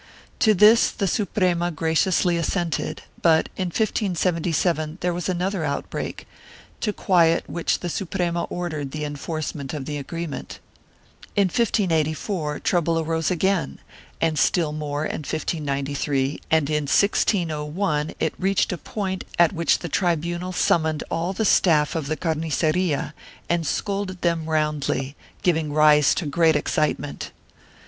To this the Suprema gra ciously assented, but, in 1577, there was another outbreak, to quiet which the Suprema ordered the enforcement of the agreement. In 1584 trouble arose again and still more in 1593 and in 1601 it reached a point at which the tribunal summoned all the staff of the carniceria and scolded them roundly, giving rise to great excitement.